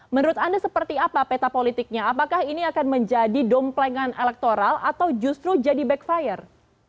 menurut anda seperti apa peta politiknya apakah ini akan menjadi domplengan elektoral atau justru jadi backfire